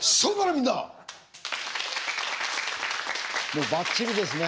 もうバッチリですね。